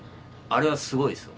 あれはすごいです。